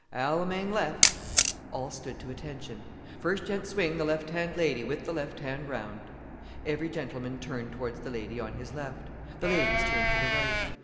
"A la main left." All stood to attention. "First gent swing the left hand lady, with the left hand round." Every gentleman turned towards the lady on his left. The ladies turned to the right.